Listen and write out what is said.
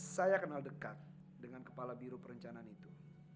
saya kenal dekat dengan kepala biro perencanaan itu